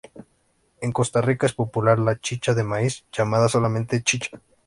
En Costa Rica es popular la "chicha de Maíz", llamada solamente chicha.